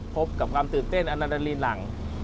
พบกับความตื่นเต้นอันนาดารีหลัง